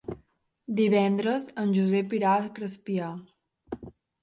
Divendres en Josep irà a Crespià.